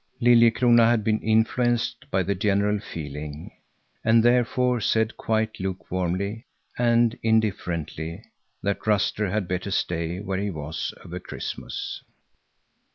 Liljekrona had been influenced by the general feeling, and therefore said quite lukewarmly and indifferently that Ruster had better stay where he was over Christmas.